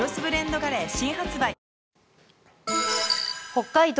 北海道